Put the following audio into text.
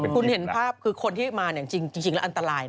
คุณเห็นภาพคือคนที่มาจริงแล้วอันตราย